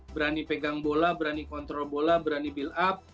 berani pegang bola berani kontrol bola berani build up